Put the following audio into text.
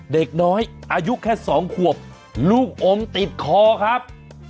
เด็กน้อยอายุแค่๒ขวบลูกอมติดคอครับ